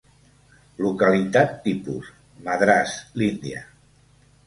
Localitat tipus: Madras, l'Índia.